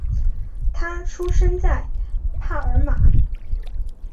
他出生在帕尔马。